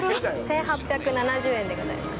１８７０円でございます。